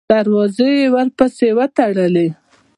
دروازې یې ورپسې وتړلې.